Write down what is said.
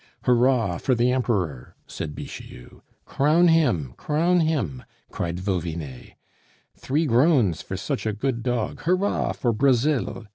"Hurrah for the Emperor!" said Bixiou. "Crown him! crown him!" cried Vauvinet. "Three groans for such a good dog! Hurrah for Brazil!"